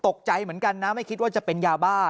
ตกใจเหมือนกันนะไม่คิดว่าจะเป็นยาบ้า